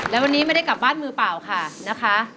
และวันนี้ไม่ได้กลับบ้านมือเปล่าค่ะนะคะ